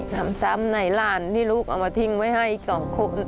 ซ้ำไหนหลานที่ลูกเอามาทิ้งไว้ให้สองคน